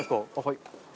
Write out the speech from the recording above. はい。